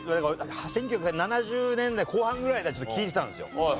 １９７０年代後半ぐらいがちょうど聴いてたんですよ。